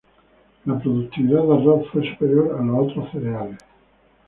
La productividad de arroz fue superior a los otros cereales.